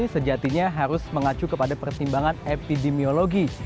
sejatinya harus mengacu kepada pertimbangan epidemiologi